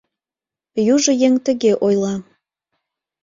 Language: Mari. Южо еҥ тыге ойла: